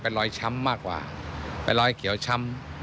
เป็นรอยช้ำมากกว่าเป็นรอยเขียวช้ำ